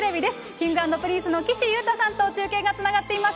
Ｋｉｎｇ＆Ｐｒｉｎｃｅの岸優太さんと中継がつながっています。